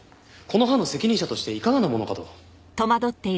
この班の責任者としていかがなものかと。